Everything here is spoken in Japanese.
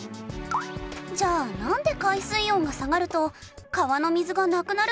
じゃあなんで海水温が下がると川の水がなくなると思う？